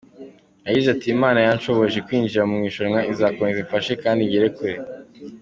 Yagize ati, “Imana yanshoboje kwinjira mu irushanwa izakomeza imfashe kandi ngere kure.